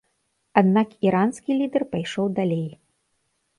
Аднак іранскі лідэр пайшоў далей.